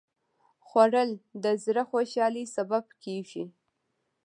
خوړل د زړه خوشالي سبب کېږي